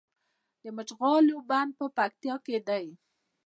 د مچالغو بند په پکتیا کې دی